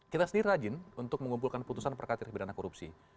kita sendiri rajin untuk mengumpulkan putusan perkara pidana korupsi